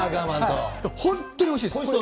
本当においしい？